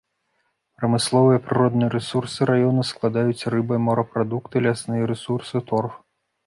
Прамысловыя прыродныя рэсурсы раёна складаюць рыба, морапрадукты, лясныя рэсурсы, торф.